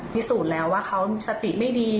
พิสูจน์แล้วว่าเขาสติไม่ดี